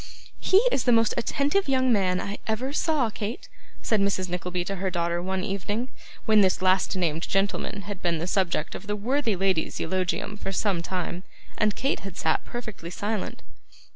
'He is the most attentive young man I ever saw, Kate,' said Mrs. Nickleby to her daughter one evening, when this last named gentleman had been the subject of the worthy lady's eulogium for some time, and Kate had sat perfectly silent.